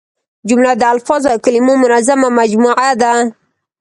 جمله د الفاظو او کلیمو منظمه مجموعه ده.